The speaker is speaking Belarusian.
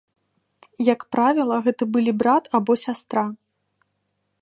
Як правіла, гэта былі брат або сястра.